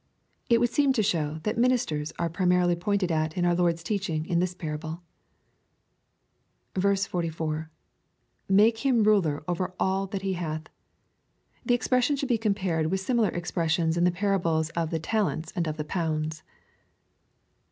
It would seem to show that ministers are primarily pointed at in our Lord's teaching in this parable. 44. — [Make him ruler over cdl that he hath.] This expression should be compared with similar expressions in the parables of the talents and of the pounds.